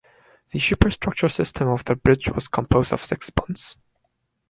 The superstructure system of the bridge was composed of six spans.